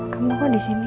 kamu ada disini